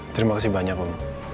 terima kasih banyak om